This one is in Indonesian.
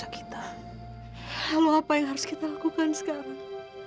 halo apa yang harus kita lakukan sekarang